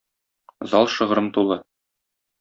Зал шыгрым тулы.